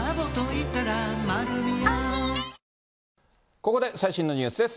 ここで最新のニュースです。